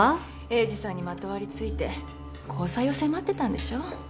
栄治さんにまとわりついて交際を迫ってたんでしょう？